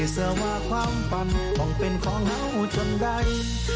เสื้อว่าความฝันคงเป็นของเห่าจนใด